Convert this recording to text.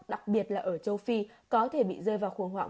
đặc biệt là ở châu phi có thể bị rơi vào khủng hoảng